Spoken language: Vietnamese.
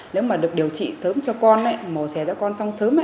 nếu mà được điều trị sớm cho con mổ xẻ cho con xong sớm